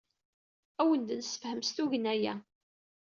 Ad awen-d-nessefhem s tugna-a.